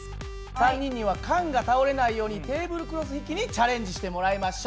３人には缶が倒れないようにテーブルクロス引きにチャレンジしてもらいましょう。